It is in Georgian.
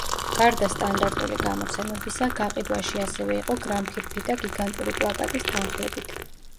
გარდა სტანდარტული გამოცემებისა, გაყიდვაში ასევე იყო გრამფირფიტა გიგანტური პლაკატის თანხლებით.